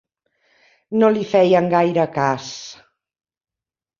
No li feien gaire cas.